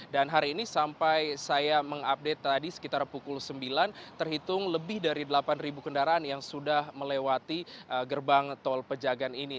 dan hari ini sampai saya mengupdate tadi sekitar pukul sembilan terhitung lebih dari delapan kendaraan yang sudah melewati gerbang tol pejagaan ini